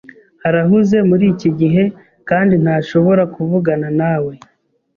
Arahuze muri iki gihe kandi ntashobora kuvugana nawe.